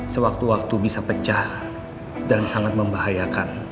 sewaktu waktu bisa pecah dan sangat membahayakan